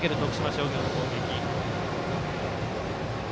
商業の攻撃。